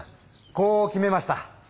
こう決めました。